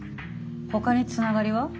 ほかにつながりは？